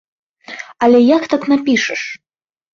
Але як так напішаш?